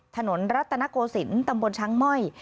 ถนนรัตนโกศิลป์ตำบลช้างม่อย